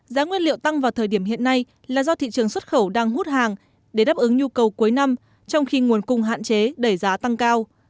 giá nguyên liệu tăng vào thời điểm hiện nay là do thị trường xuất khẩu đang hút hàng để đáp ứng nhu cầu cuối năm trong khi nguồn cung hạn chế đẩy giá tăng cao